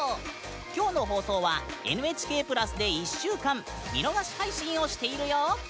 今日の放送は「ＮＨＫプラス」で１週間見逃し配信をしているよ！